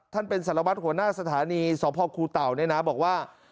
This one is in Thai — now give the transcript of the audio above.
ท่านเป็นสารวัฒน์หัวหน้าสถานีสพคุเต่าบอกว่า